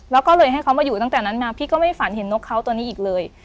แล้วก็เลยให้เขามาอยู่ตั้งแต่นั้นมาพี่ก็ไม่ฝันเห็นนกเขาตัวนี้อีกเลย